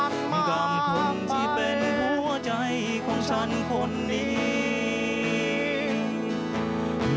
กับคนที่เป็นหัวใจของฉันคนนี้